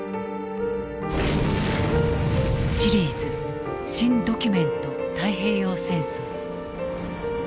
シリーズ「新・ドキュメント太平洋戦争」。